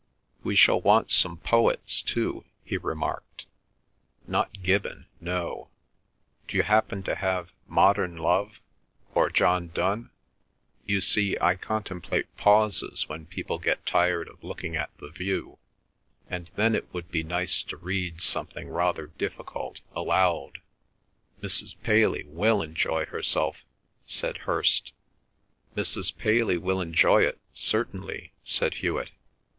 "We shall want some poets too," he remarked. "Not Gibbon; no; d'you happen to have Modern Love or John Donne? You see, I contemplate pauses when people get tired of looking at the view, and then it would be nice to read something rather difficult aloud." "Mrs. Paley will enjoy herself," said Hirst. "Mrs. Paley will enjoy it certainly," said Hewet.